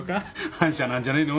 反社なんじゃねぇの？